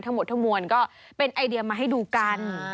ทั้งหมดทั้งมวลก็เป็นไอเดียมาให้ดูกัน